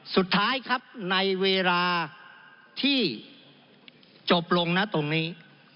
สุดท้ายครับในเวลาที่จบลงนะตรงนี้